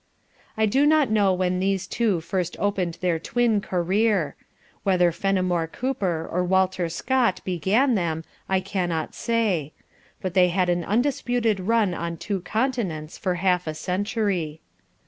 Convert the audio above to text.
I do not know when these two first opened their twin career. Whether Fenimore Cooper or Walter Scott began them, I cannot say. But they had an undisputed run on two continents for half a century.